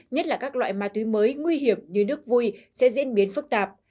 nhất là các loại ma túy mới nguy hiểm như nước vui sẽ diễn biến phức tạp